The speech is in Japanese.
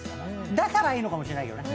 だからいいのかもしれないけど。